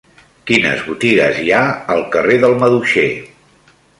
Quines botigues hi ha al carrer del Maduixer?